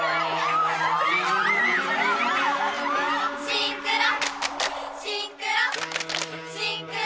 シンクロ！